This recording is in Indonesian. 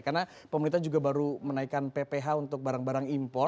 karena pemerintah juga baru menaikkan pph untuk barang barang impor